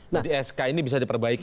jadi sk ini bisa diperbaiki